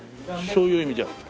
そういう意味じゃ。